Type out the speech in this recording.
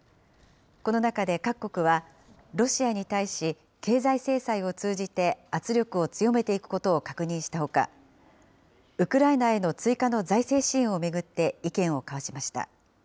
この中で各国は、ロシアに対し経済制裁を通じて圧力を強めていくことを確認したほか、ウクライナへの追加の財政支援を巡って、意見を交わしました。